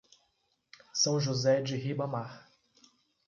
São José de Ribamar